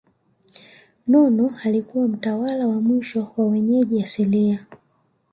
Nono alikuwa mtawala wa mwisho wa wenyeji asilia